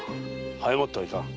早まってはいかん。